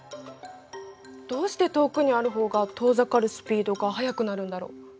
どうして遠くにある方が遠ざかるスピードが速くなるんだろう？